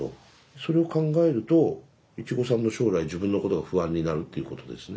それを考えるといちごさんの将来自分のことが不安になるっていうことですね。